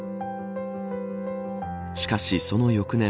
しかし、その翌年